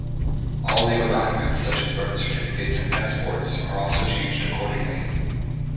All legal documents, such as birth certificates and passports, are also changed accordingly.